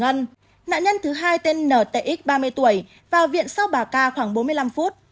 nạn nhân thứ hai tên nt ba mươi tuổi vào viện sau bà ca khoảng bốn mươi năm phút